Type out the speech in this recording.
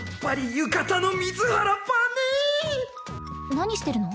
何してるの？